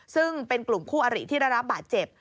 ซึ่งเป็นกลุ่มคู่อริที่ได้รับบาดเจ็บ